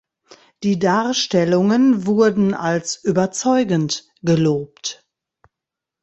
Die Darstellungen wurden als „überzeugend“ gelobt.